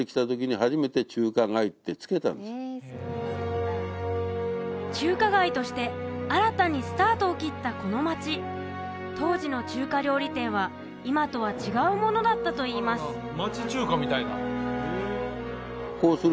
そこで中華街として新たにスタートを切ったこの街当時の中華料理店は今とは違うものだったといいますコース